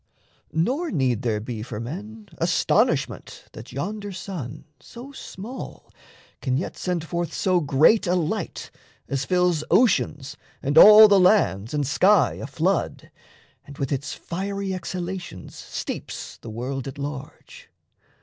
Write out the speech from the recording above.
Nor need there be for men Astonishment that yonder sun so small Can yet send forth so great a light as fills Oceans and all the lands and sky aflood, And with its fiery exhalations steeps The world at large.